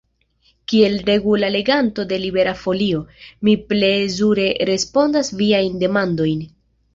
Kiel regula leganto de Libera Folio, mi plezure respondas viajn demandojn.